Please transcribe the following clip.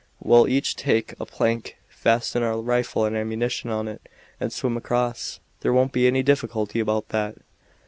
We'll each take a plank, fasten our rifle and ammunition on it, and swim across; there won't be any difficulty about that.